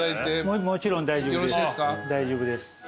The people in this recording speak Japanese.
もちろん大丈夫です。